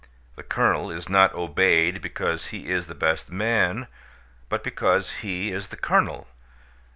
The Colonel is not obeyed because he is the best man, but because he is the Colonel.